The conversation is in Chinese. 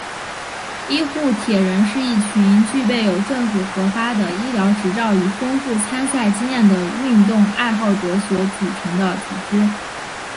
医护铁人是一群具备有政府核发的医疗执照与丰富参赛经验的运动爱好者所组成的组织。